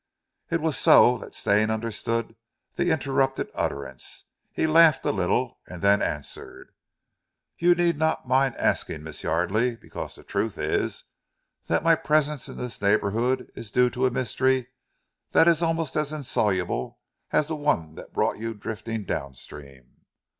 It was so that Stane understood the interrupted utterance. He laughed a little, and then answered: "You need not mind asking, Miss Yardely; because the truth is that my presence in this neighbourhood is due to a mystery that is almost as insoluble as the one that brought you drifting downstream.